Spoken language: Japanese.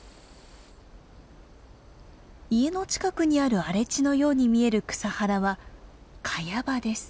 家の近くにある荒れ地のように見える草原はカヤ場です。